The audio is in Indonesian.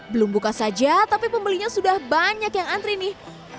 belum buka saja tapi pembelinya sudah banyak yang antri nih